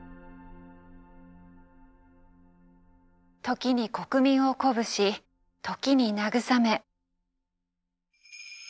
時に国民を鼓舞し時に慰め。